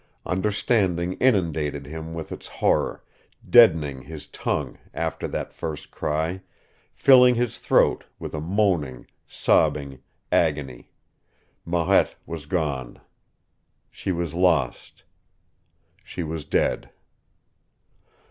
Understanding inundated him with its horror, deadening his tongue after that first cry, filling his throat with a moaning, sobbing agony. Marette was gone. She was lost. She was dead.